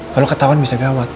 kalau ketahuan bisa gawat